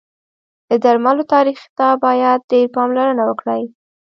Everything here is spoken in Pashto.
د درملو تاریخ ته باید ډېر پاملرنه وکړی